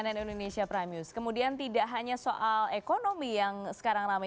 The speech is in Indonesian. dan itu makan waktu lama